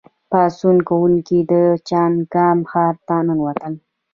پاڅون کوونکي د چانګان ښار ته ننوتل.